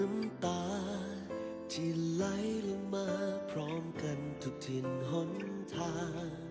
น้ำตาที่ไหลลงมาพร้อมกันทุกถิ่นหนทาง